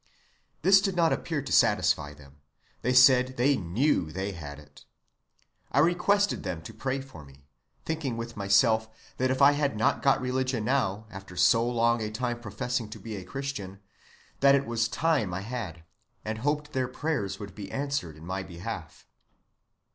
This did not appear to satisfy them; they said they knew they had it. I requested them to pray for me, thinking with myself, that if I had not got religion now, after so long a time professing to be a Christian, that it was time I had, and hoped their prayers would be answered in my behalf.